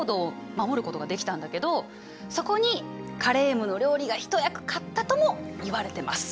そこにカレームの料理が一役買ったともいわれてます。